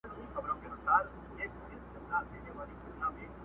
دا آخره زمانه ده په پیمان اعتبار نسته؛؛!